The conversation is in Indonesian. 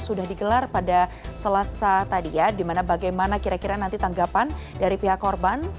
sudah digelar pada selasa tadi ya dimana bagaimana kira kira nanti tanggapan dari pihak korban